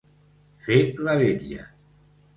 Fer la vetlla.